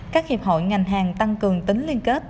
các hiệp hội ngành hàng tăng cường tính liên kết